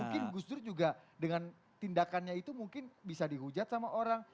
mungkin gus dur juga dengan tindakannya itu mungkin bisa dihujat sama orang